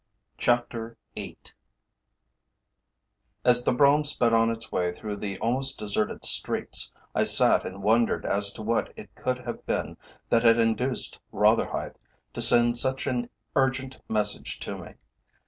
CHAPTER VIII As the brougham sped on its way through the almost deserted streets, I sat and wondered as to what it could have been that had induced Rotherhithe to send such an urgent message to me.